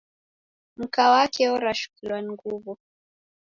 Mka wake worashukilwa ni nguw'o.